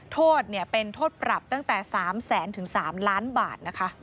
โทษเป็นโทษปรับตั้งแต่๓แสนถึง๓ล้านบาทนะคะ